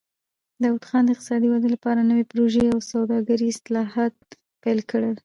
داوود خان د اقتصادي ودې لپاره نوې پروژې او د سوداګرۍ اصلاحات پیل کړل.